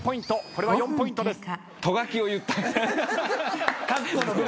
これは４ポイントです。